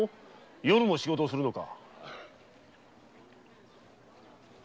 夜も仕事をするのか。